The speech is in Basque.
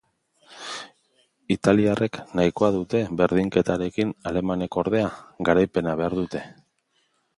Italiarrek nahikoa dute berdinketarekin alemanek, ordea, garaipena behar dute.